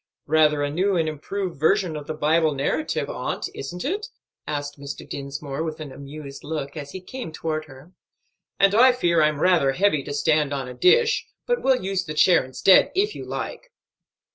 "Rather a new and improved version of the Bible narrative, aunt, isn't it?" asked Mr. Dinsmore, with an amused look, as he came toward her. "And I fear I'm rather heavy to stand on a dish; but will use the chair instead, if you like."